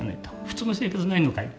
「普通の生活はないのかい？」